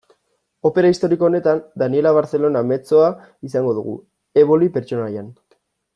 Opera historiko honetan, Daniella Barcellona mezzoa izango dugu, Eboli pertsonaian.